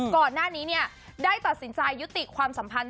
ก่อนหน้านี้ได้ตัดสินใจยุติความสัมพันธ์